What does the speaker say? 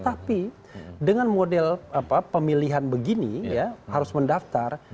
tapi dengan model pemilihan begini ya harus mendaftar